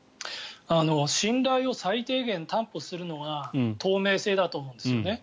信頼を最低限担保するのが透明性だと思うんですね。